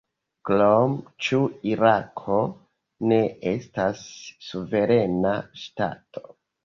Krome: ĉu Irako ne estas suverena ŝtato?